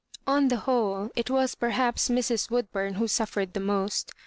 On the whole, it was perhaps Mra "Woodbum who suffered the most.